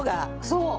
そう。